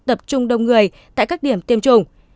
tập trung đông người tại các điểm tiêm chủng